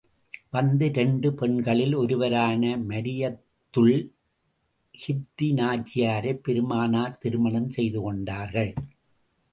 வந்த இரண்டு பெண்களில் ஒருவரான மரிய்யத்துல் கிப்தி நாச்சியாரைப் பெருமானார் திருமணம் செய்து கொண்டார்கள்.